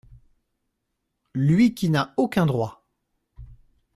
Lui qui n’a aucun droit !